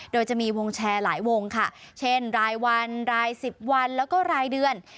โดยจะมีวงแชร์หลายวงค่ะเช่นรายวันรายสิบวันแล้วก็รายเดือน